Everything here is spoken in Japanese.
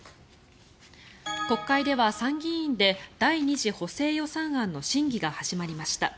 国会では参議院で第２次補正予算案の審議が始まりました。